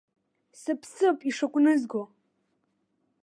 Сыԥсып ишыгәнызго.